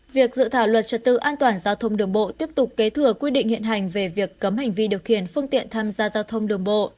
việc dự thảo luật trật tự an toàn giao thông đường bộ tiếp tục kế thừa quy định hiện hành về việc cấm hành vi điều khiển phương tiện tham gia giao thông đường bộ